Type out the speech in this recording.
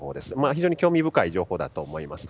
非常に興味深い情報だと思います。